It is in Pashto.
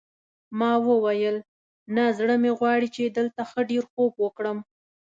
ما وویل نه زړه مې غواړي چې دلته ښه ډېر خوب وکړم.